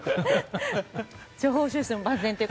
情報収集も万全と。